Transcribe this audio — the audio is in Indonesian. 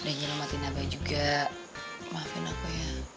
udah nyerah matiin abah juga maafin aku ya